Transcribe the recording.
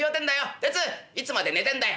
テツいつまで寝てんだよ